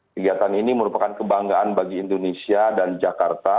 kegiatan ini merupakan kebanggaan bagi indonesia dan jakarta